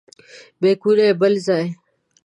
بیکونه یې بل ځای.